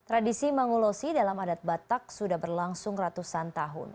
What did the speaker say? tradisi mangulosi dalam adat batak sudah berlangsung ratusan tahun